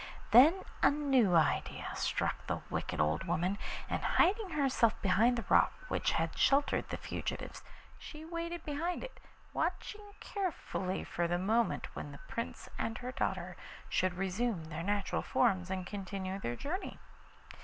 Then a new idea struck the wicked old woman, and hiding herself behind the rock which had sheltered the fugitives, she waited behind it, watching carefully for the moment when the Prince and her daughter should resume their natural forms and continue their journey.